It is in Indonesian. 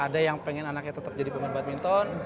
ada yang pengen anaknya tetap jadi pemain badminton